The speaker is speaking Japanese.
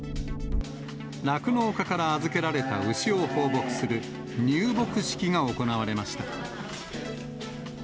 酪農家から預けられた牛を放牧する、入牧式が行われました。